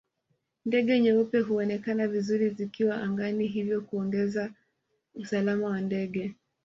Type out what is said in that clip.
Ndege nyeupe huonekana vizuri zikiwa angani hivyo kuongeza usalama wa ndege